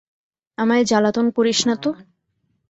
আমায় জ্বালাতন করিস না তো।